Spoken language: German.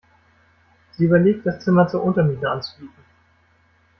Sie überlegt, das Zimmer zur Untermiete anzubieten.